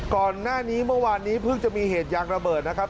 ก่อนหน้านี้เมื่อวานนี้เพิ่งจะมีเหตุยางระเบิดนะครับ